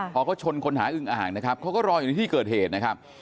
พอเขาชนคนหาอึงอ่างนะครับเขาก็รออยู่ในที่เกิดเหตุนะครับ